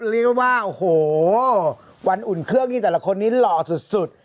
เรียกว่าโอ้โหวันอุ่นเครื่องที่แต่ละคนนี้หล่อสุด